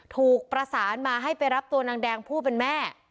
ถูกประสานมาให้ไปรับตัวนางแดงผู้เป็นแม่